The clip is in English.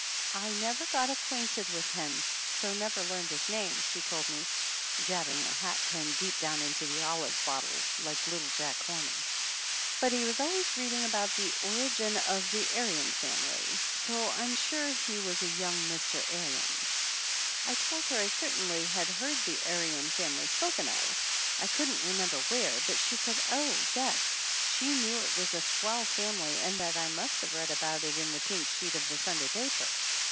"I never got acquainted with him, so never learned his name," she told me, jabbing her hat pin deep down into the olive bottle, like little Jack Horner, "but he was always reading about 'The Origin of the Aryan Family,' so I'm sure he was a young Mr. Aryan." I told her I certainly had heard the Aryan family spoken of, I couldn't remember where, but she said oh, yes, she knew it was a swell family and that I must have read about it in the pink sheet of the Sunday paper.